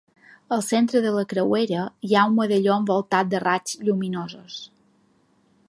Al centre de la creuera hi ha un medalló envoltat de raigs lluminosos.